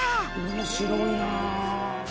面白いなあ！